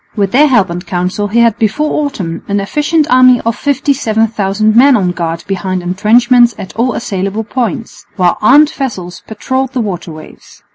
With their help and counsel he had before autumn an efficient army of 57,000 men on guard behind entrenchments at all assailable points, while armed vessels patrolled the waterways.